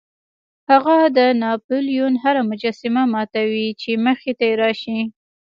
هغه د ناپلیون هره مجسمه ماتوي چې مخې ته راشي.